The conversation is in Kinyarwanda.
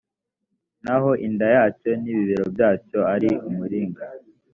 naho inda yacyo n’ibibero byacyo ari umuringa.